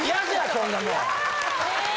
そんなもん。